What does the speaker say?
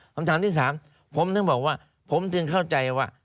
คำถามที่สามก็คือผมถึงเข้าใจว่า